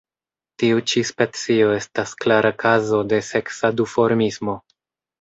Tiu ĉi specio estas klara kazo de seksa duformismo.